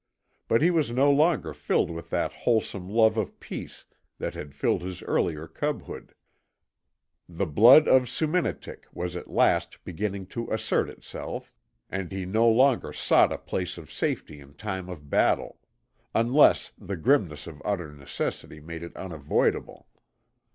But he was no longer filled with that wholesome love of peace that had filled his earlier cubhood. The blood of Soominitik was at last beginning to assert itself, and he no longer sought a place of safety in time of battle unless the grimness of utter necessity made it unavoidable.